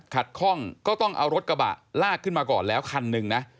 คล่องก็ต้องเอารถกระบะลากขึ้นมาก่อนแล้วคันหนึ่งนะ